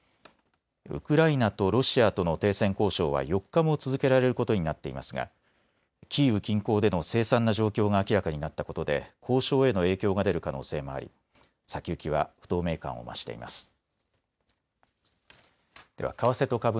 ウクライナとロシアとの停戦交渉は４日も続けられることになっていますがキーウ近郊での凄惨な状況が明らかになったことで交渉への影響が出る可能性もあり先行きは不透明感を増しています。